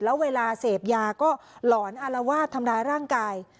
แล้วเวลาเสพยาก็หลอนอารวาสทำร้ายร่างกาย